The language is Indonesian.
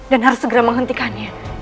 dan harus segera menghentikannya